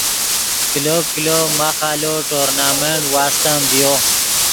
کلو کلو ماخ آلو ٹورنامنٹ واستم ڤیو